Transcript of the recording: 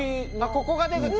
ここが出口？